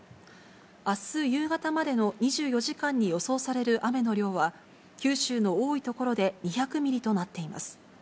あす夕方までの２４時間に予想される雨の量は、九州の多い所で２００ミリとなっています。